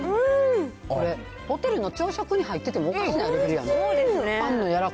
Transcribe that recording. これ、ホテルの朝食に入っててもおかしないレベルやん。